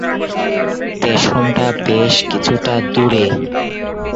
স্টেশনটা বেশ কিছুটা দূরে।